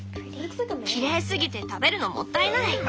きれいすぎて食べるのもったいない！